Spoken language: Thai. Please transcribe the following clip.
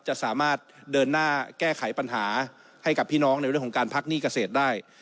จะสามารถเดินหน้าแก้ไขปัญหาให้กับพี่น้องในเรื่องของการพักหนี้เกษตรได้